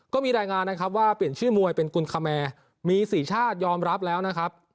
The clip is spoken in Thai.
ก็มีรายงานนะครับว่าเปลี่ยนชื่อมวยเป็นกุลคแมร์มี๔ชาติยอมรับแล้วนะครับ